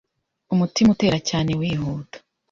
Umutima utera cyane wihuta